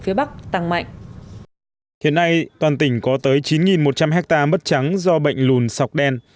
phía bắc tăng mạnh hiện nay toàn tỉnh có tới chín một trăm linh hectare mất trắng do bệnh lùn sọc đen